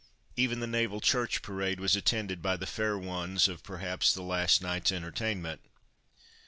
Even the naval Church parade was attended by the fair ones of perhaps the last night's entertainment.